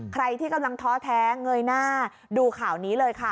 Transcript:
ใครที่กำลังท้อแท้เงยหน้าดูข่าวนี้เลยค่ะ